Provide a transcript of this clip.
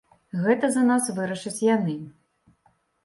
Гэта за нас вырашаць яны.